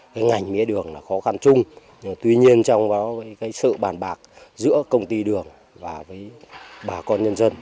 cái ngành mía đường là khó khăn chung tuy nhiên trong cái sự bàn bạc giữa công ty đường và với bà con nhân dân